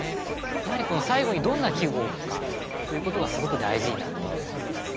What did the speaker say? やはり最後にどんな季語を置くかということがすごく大事になってくるんですね。